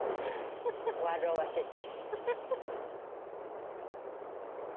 笑わせて。